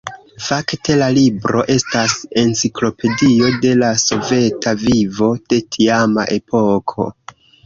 Fakte la libro estas enciklopedio de la soveta vivo de tiama epoko.